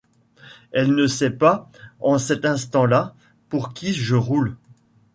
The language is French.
Elle ne sait pas, en cet instant-là, pour qui je roule.